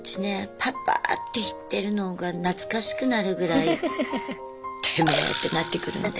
パパーって言ってるのが懐かしくなるぐらいテメェ！ってなってくるんで。